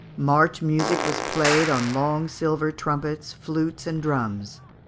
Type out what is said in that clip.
March music was played on long silver trumpets, flutes, and drums.